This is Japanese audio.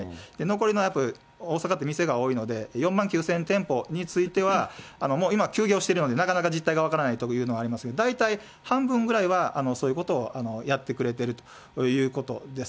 残りの約、大阪って店が多いので、４万９０００店舗については、もう今、休業してるのでなかなか実態が分からないというのはありますけど、大体、半分ぐらいは、そういうことをやってくれてるということです。